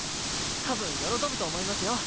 たぶん喜ぶと思いますよ！